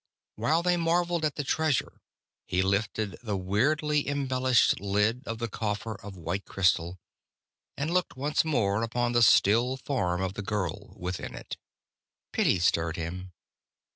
While they marveled at the treasure, he lifted the weirdly embellished lid of the coffer of white crystal, and looked once more upon the still form of the girl within it. Pity stirred him.